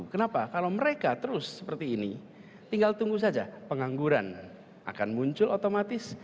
kenapa kalau mereka terus seperti ini tinggal tunggu saja pengangguran akan muncul otomatis